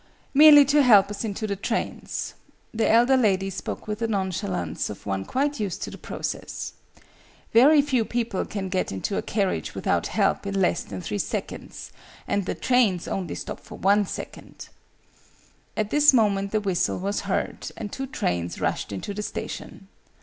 "Merely to help us into the trains." The elder lady spoke with the nonchalance of one quite used to the process. "Very few people can get into a carriage without help in less than three seconds, and the trains only stop for one second." At this moment the whistle was heard, and two trains rushed into the station.